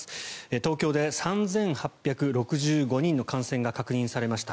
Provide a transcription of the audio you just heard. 東京で３８６５人の感染が確認されました。